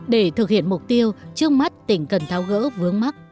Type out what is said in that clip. để thực hiện mục tiêu trước mắt tỉnh cần tháo gỡ vướng mắt